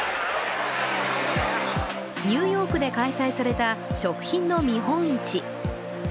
ニューヨークで開催された食品の見本市。